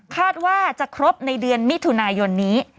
คาดว่าจะครบในเดือนมิถุนายนนี้